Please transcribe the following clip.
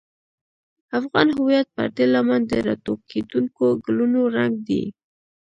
افغان هویت پر دې لمن د راټوکېدونکو ګلونو رنګ دی.